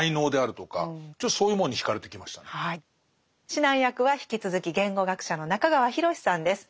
指南役は引き続き言語学者の中川裕さんです。